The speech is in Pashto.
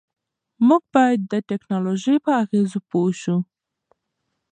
موږ باید د ټیکنالوژۍ په اغېزو پوه شو.